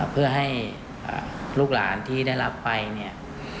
เพื่อให้ลูกหลานที่ได้รับไปเนี่ย